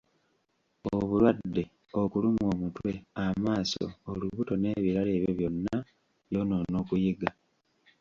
Obulwadde, okulumwa omutwe, amaaso, olubuto, n'ebirala ebyo byonna byonoona okuyiga.